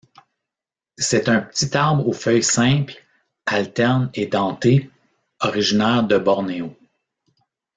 C'est un petit arbre aux feuilles simples, alternes et dentées, originaire de Bornéo.